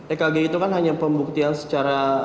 ekg itu kan hanya pembuktian secara